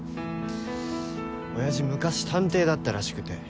親父昔探偵だったらしくて。